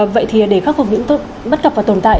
vậy thì để khắc phục những bất cập và tồn tại